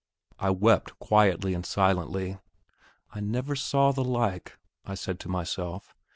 I wept quietly and silently. "I never saw the like!" I said to myself.